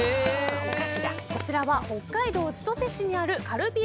こちらは北海道千歳市にあるカルビー